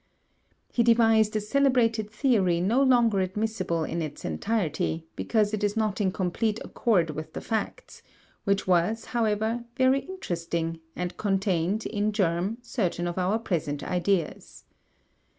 He devised a celebrated theory no longer admissible in its entirety, because it is not in complete accord with the facts, which was, however, very interesting, and contained, in germ, certain of our present ideas.